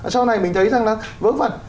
sau này mình thấy rằng là vớ vẩn